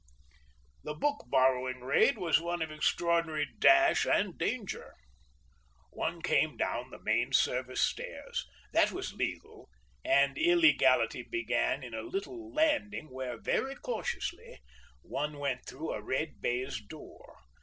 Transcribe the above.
The book borrowing raid was one of extraordinary dash and danger. One came down the main service stairs—that was legal, and illegality began in a little landing when, very cautiously, one went through a red baize door.